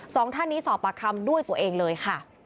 สองท่านนี้สอบปากคำด้วยตัวเองเลยค่ะ